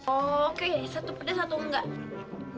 oke satu pedas satu enggak